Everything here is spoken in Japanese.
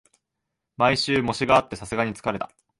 毎週、模試があってさすがに疲れた